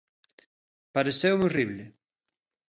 Pareceume horrible.